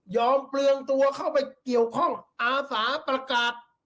เปลืองตัวเข้าไปเกี่ยวข้องอาสาประกาศ